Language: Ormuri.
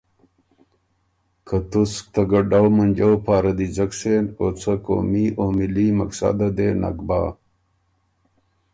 که تُسک ته ګډؤ منجؤ پاره دی ځک سېن او څه قومي او ملي مقصده دې نک بَۀ۔